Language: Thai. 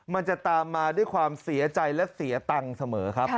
มันจะตามมาด้วยความเสียใจและเสียตังค์เสมอครับ